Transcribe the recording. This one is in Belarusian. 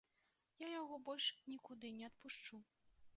Я яго больш нікуды не адпушчу.